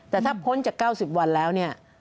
แต่ถ้าพ้นจาก๙๐วันแล้วเนี่ย